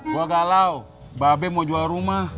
gua galau mba be mau jual rumah